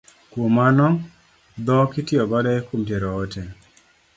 Kuom mano dhok itiyo godo kuom tero ote.